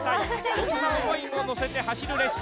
そんな思いも乗せて走る列車。